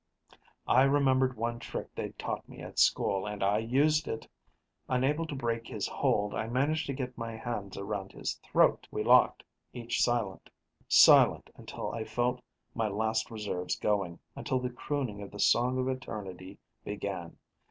I remembered one trick they'd taught at school, and I used it. Unable to break his hold, I managed to get my hands around his throat. We locked, each silent. Silent until I felt my last reserves going, until the crooning of the Song of Eternity began.